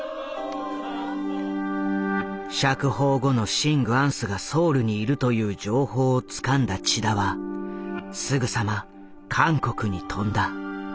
釈放後のシン・グァンスがソウルにいるという情報をつかんだ千田はすぐさま韓国に飛んだ。